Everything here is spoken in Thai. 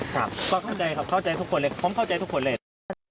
ครับก็เข้าใจครับเข้าใจทุกคนเลยผมเข้าใจทุกคนเลย